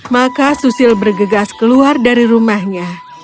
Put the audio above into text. maka susil bergegas keluar dari rumahnya